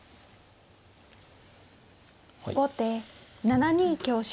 後手７二香車。